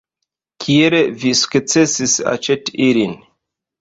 Kiel vi sukcesis aĉeti ilin?